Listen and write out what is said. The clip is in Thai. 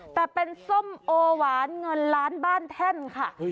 แต่เป็นส้มโอหวานเงินล้านบ้านแท่นค่ะ